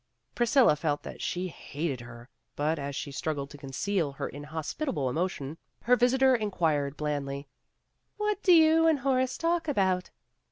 '' Prisicilla felt that she hated her, but as she struggled to conceal her inhospitable emotion, her visitor inquired blandly, "What do you and Horace talk about!"